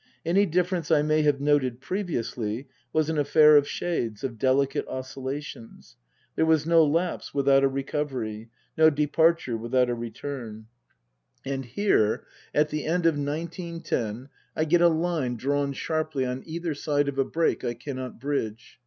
Any difference I may have noted previously was an affair of shades, of delicate oscillations. There was no lapse without a recovery, no departure without a return. 13* 196 Tasker Jevons And here, at the end of nineteen ten, I get a line drawn sharply on either side of a break I cannot bridge.